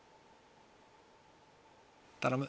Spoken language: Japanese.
頼む。